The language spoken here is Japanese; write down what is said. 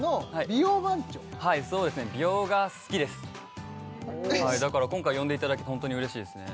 美容が好きですだから今回呼んでいただけてホントに嬉しいですね